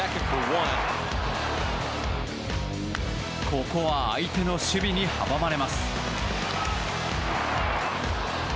ここは相手の守備に阻まれます。